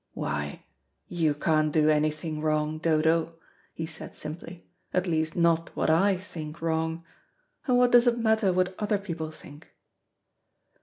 "Why, you can't do anything wrong, Dodo," he said simply; "at least not what I think wrong. And what does it matter what other people think?"